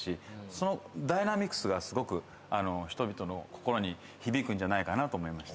そのダイナミクスがすごく人々の心に響くんじゃないかなと思いました。